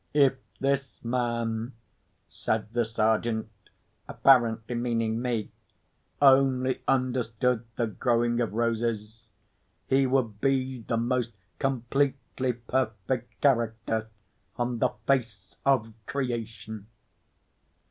"If this man," said the Sergeant (apparently meaning me), "only understood the growing of roses he would be the most completely perfect character on the face of creation!"